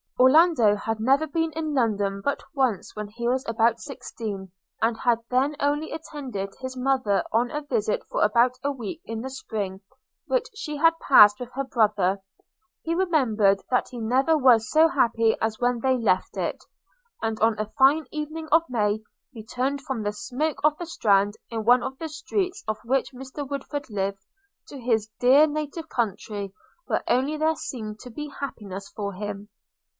Orlando had never been in London but once when he was about sixteen, and had then only attended his mother on a visit for about a week in the spring, which she had passed with her brother. He remembered that he never was so happy as when they left it, and, on a fine evening of May, returned from the smoke of the Strand, in one of the streets of which Mr Woodford lived, to his dear native county, where only there seemed to be any happiness for him.